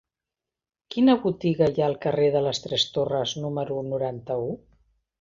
Quina botiga hi ha al carrer de les Tres Torres número noranta-u?